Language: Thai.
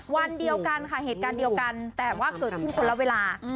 วันเดียวกันค่ะเหตุการณ์เดียวกันแต่ว่าเกิดขึ้นคนละเวลา